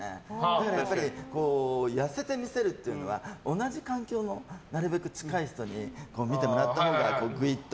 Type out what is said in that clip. だからやっぱり痩せて見せるっていうのが同じ環境の、なるべく近い人に見てもらったほうが、グイッと。